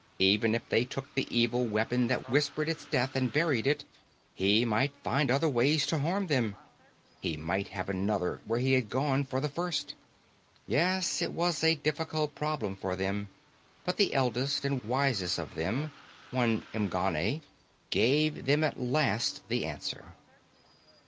Even if they took the evil weapon that whispered its death and buried it, he might find other ways to harm them. He might have another where he had gone for the first. Yes, it was a difficult problem for them, but the eldest and wisest of them, one M'Ganne, gave them at last the answer.